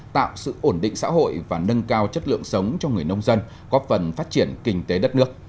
tạo sự ổn định xã hội và nâng cao chất lượng sống cho người nông dân góp phần phát triển kinh tế đất nước